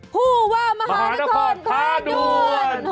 ผู้ว่ามหานครท้าด่วน